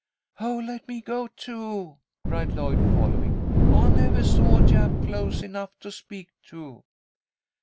"Oh, let me go, too," cried Lloyd, following. "I nevah saw a Jap close enough to speak to."